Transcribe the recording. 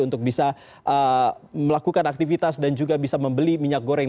untuk bisa melakukan aktivitas dan juga bisa membeli minyak goreng